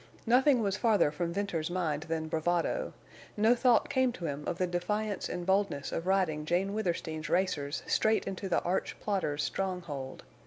Nothing was farther from Venters's mind than bravado. No thought came to him of the defiance and boldness of riding Jane Withersteen's racers straight into the arch plotter's stronghold.